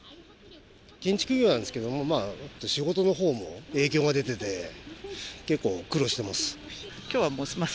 建築業なんですけれども、仕事のほうも影響が出てて、結構苦労してます。